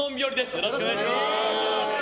よろしくお願いします。